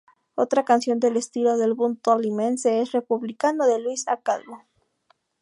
Otra canción del estilo del "Bunde tolimense" es "El Republicano" de Luis A. Calvo.